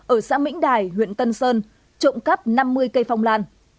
ở xã mỹ đài huyện tân sơn trộm cắp năm mươi cây phong lan